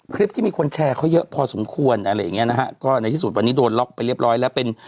คลิปที่มีคนแชร์เขาเยอะพอสมควรอะไรอย่างเงี้นะฮะก็ในที่สุดวันนี้โดนล็อกไปเรียบร้อยแล้วเป็น